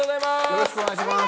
よろしくお願いします。